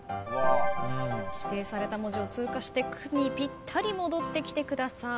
指定された文字を通過して「く」にぴったり戻ってきてください。